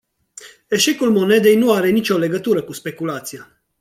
Eșecul monedei nu are nicio legătură cu speculația.